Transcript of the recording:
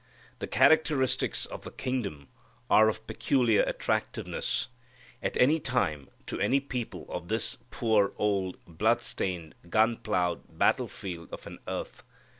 The characteristics of the kingdom are of peculiar attractiveness, at any time, to any people of this poor old blood stained, gun ploughed battle field of an earth.